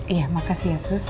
iya makasih ya sus